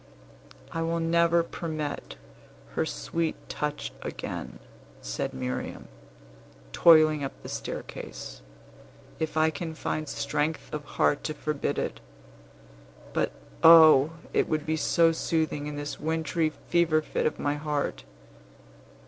"I will never permit her sweet touch again," said Miriam, toiling up the staircase, "if I can find strength of heart to forbid it. But, O! it would be so soothing in this wintry fever fit of my heart.